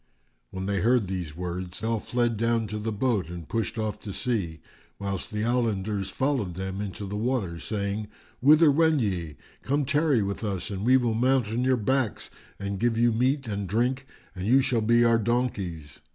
When they heard these words, all fled down to the boat and pushed off to sea; whilst the islanders followed them into the water, saying, "Whither wend ye? Come, tarry with us and we will mount on your backs and give you meat and drink, and you shall be our donkeys."